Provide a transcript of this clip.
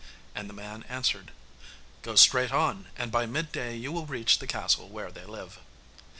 And the man answered, 'Go straight on, and by midday you will reach the castle where they live.